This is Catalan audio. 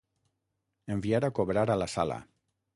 Enviar a cobrar a la Sala.